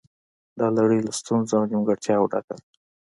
دا لړۍ له ستونزو او نیمګړتیاوو ډکه ده